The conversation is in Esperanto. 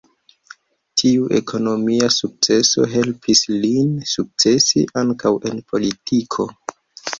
Tiu ekonomia sukceso helpis lin sukcesi ankaŭ en politiko.